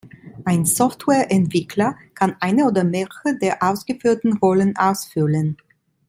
Ein Softwareentwickler kann eine oder mehrere der aufgeführten Rollen ausfüllen.